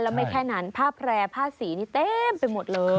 แล้วไม่แค่นั้นผ้าแพร่ผ้าสีนี่เต็มไปหมดเลย